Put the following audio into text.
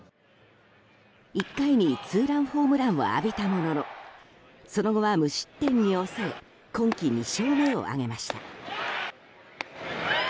１回にツーランホームランを浴びたもののその後は無失点に抑え今季２勝目を挙げました。